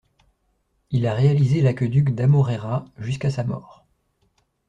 Il a réalisé l'aqueduc d'Amoreira, jusqu'à sa mort.